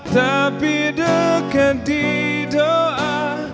tapi dekat di doa